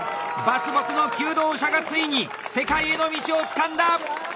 伐木の求道者がついに世界への道をつかんだ！